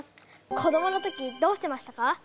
子どもの時どうしてましたか？